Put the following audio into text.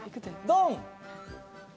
ドン！